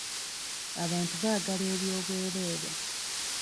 Abantu baagala ebyobwerere.